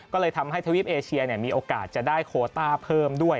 ก็เลยทำให้ทวีปเอเชียมีโอกาสจะได้โคต้าเพิ่มด้วย